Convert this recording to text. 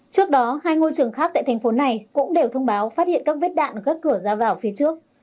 trước đó hai ngôi trường khác tại thành phố này cũng đều thông báo phát hiện các vết đạn ở các cửa ra vào phía trước